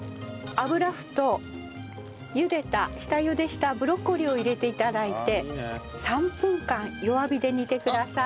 油麩と下ゆでしたブロッコリーを入れて頂いて３分間弱火で煮てください。